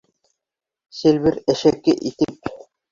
Сильвер, әшәке итеп